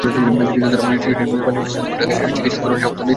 কিন্তু তাঁরা বলছেন, শিশুটির মাকে ঢাকায় এনে চিকিৎসা করানোর সামর্থ্য তাঁদের নেই।